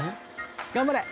頑張れ！